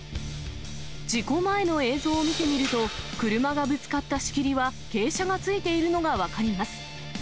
事故前の映像を見てみると、車がぶつかった仕切りは、傾斜がついているのが分かります。